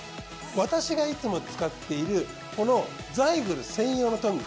私がいつも使っているこのザイグル専用のトング。